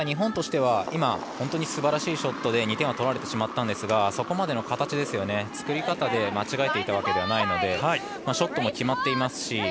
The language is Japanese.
ただ、日本としては今すばらしいショットで２点は取られてしまったんですがそこまでの形、作り方を間違えていたわけではないのでショットも決まっていますし